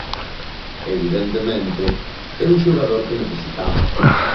Evidentemente, é un xogador que necesitamos.